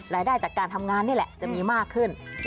รายได้จากการทำงานนี่แหละจะมีมากขึ้น